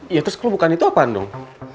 ya terus lo bukan itu apaan dong